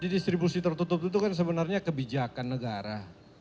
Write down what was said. distribusi tertutup itu kan sebenarnya kebijakan negara